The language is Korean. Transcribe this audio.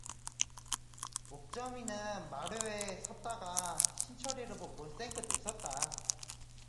옥점이는 마루에 섰다가 신철이를 보고 생 긋 웃었다.